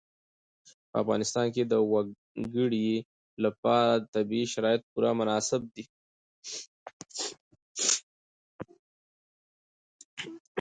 په افغانستان کې د وګړي لپاره طبیعي شرایط پوره مناسب دي.